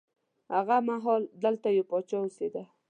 هغه مهال دلته یو پاچا اوسېده.